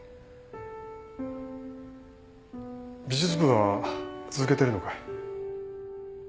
美術部は続けてるのかい？